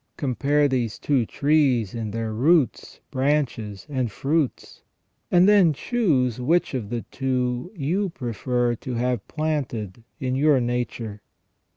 Compare these two trees in their roots, branches, and fruits, and then choose which of the two you prefer to have planted in your nature.